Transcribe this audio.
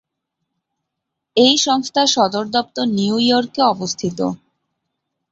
এই সংস্থার সদর দপ্তর নিউ ইয়র্কে অবস্থিত।